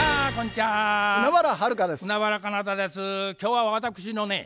今日は私のね